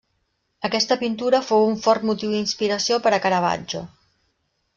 Aquesta pintura fou un fort motiu d'inspiració per a Caravaggio.